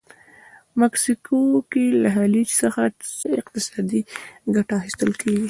د مکسیکو له خلیج څخه څه اقتصادي ګټه اخیستل کیږي؟